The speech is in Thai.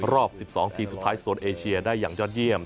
รอบ๑๒ทีมสุดท้ายโซนเอเชียได้อย่างยอดเยี่ยม